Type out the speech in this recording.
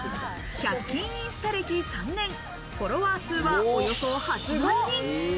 １００均インスタ歴３年、フォロワー数はおよそ８万人。